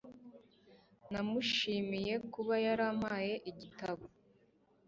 Namushimiye kuba yarampaye igitabo.